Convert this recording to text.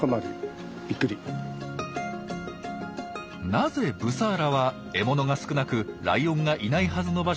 なぜブサーラは獲物が少なくライオンがいないはずの場所で暮らしているのか。